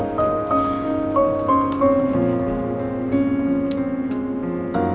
nah orang orang ini bahkan mimpi kita bersfi sar pun orang orang